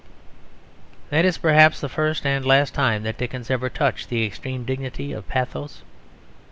That is perhaps the first and the last time that Dickens ever touched the extreme dignity of pathos.